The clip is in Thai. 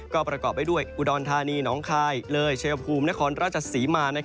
ก็ประกอบไปด้วยอุดรธานีน้องคายเลยเชยภูมินครราชศรีมา